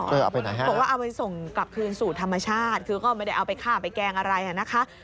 บอกว่าเอาไปส่งกลับคืนสู่ธรรมชาติคือก็ไม่ได้เอาไปฆ่าไปแกล้งอะไรนะคะ